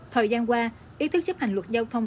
thời gian qua ý thức chấp hành luật giao thông